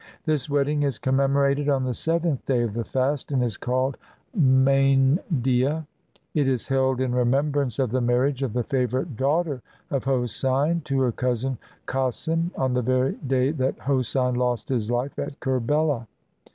This wedding is com memorated on the seventh day of the fast and is called Mayndieh. It is held in remembrance of the marriage of the favorite daughter of Hosein to her cousin Cossim on the very day that Hosein lost his life at Kerbela.